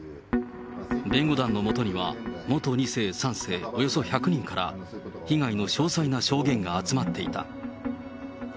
弁護団のもとには元２世、３世、およそ１００人から、被害の詳細な証言が集まっていた。